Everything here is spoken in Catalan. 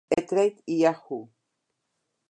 E-Trade i Yahoo!